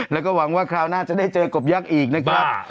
แล้วก็หวังว่าคราวหน้าจะได้เจอกบยักษ์อีกนะครับ